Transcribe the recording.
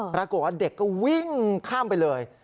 ปรากฏว่าเด็กก็วิ่งข้ามไปเลย